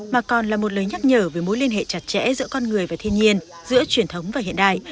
mà còn là một lời nhắc nhở về mối liên hệ chặt chẽ giữa con người và thiên nhiên giữa truyền thống và hiện đại